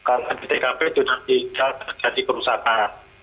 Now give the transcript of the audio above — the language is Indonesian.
karena di tkp tidak terjadi kerusakan